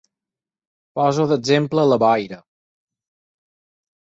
Poso d’exemple la boira.